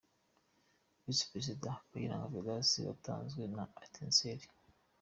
Visi Perezida : Kayiranga Vedaste watanzwe na Etincelle.